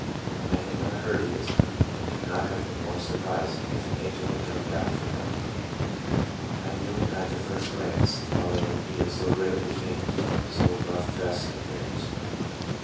I had not heard he was coming, and could not have been more surprised if an angel had come down from heaven. I knew him at the first glance, although he was so greatly changed from his old rough dress and appearance.